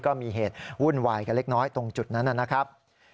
ก็มีเหตุวุ่นวายกันเล็กน้อยตรงจุดนั้นนะครับ